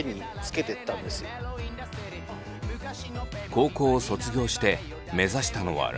高校を卒業して目指したのはラッパー。